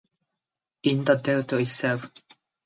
In the delta itself.